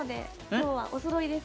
今日はおそろいです。